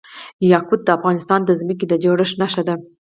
یاقوت د افغانستان د ځمکې د جوړښت نښه ده.